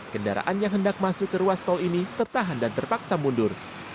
kendaraan yang hendak masuk ke ruas tol ini tertahan dan terpaksa mundur